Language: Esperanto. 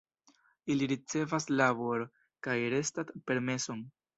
Ili ricevas labor- kaj restad-permeson.